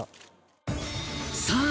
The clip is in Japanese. さあ